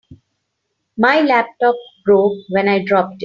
My laptop broke when I dropped it.